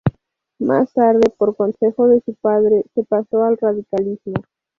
Más tarde, por consejo de su padre, se pasó al radicalismo.